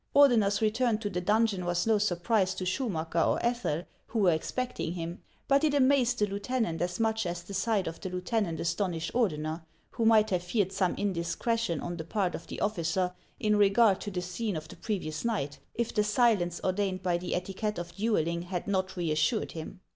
Ordener's return to the donjon was no surprise to Schumacker or Ethel, who were expecting him ; but it amazed the lieutenant as much as the sight of the lieutenant astonished Ordener, who might have feared some indiscretion on the part of the officer in regard to the scene of the previous night, if the silence ordained by the etiquette of duelling had not reassured him.